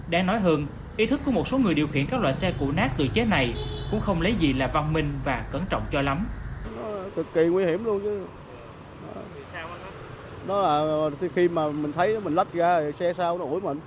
đáng nói hơn ý thức của một số người điều khiển các loại xe củ nát tự chế này cũng không lấy gì là văn minh và cẩn trọng cho lắm